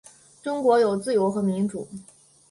中国有自由和民主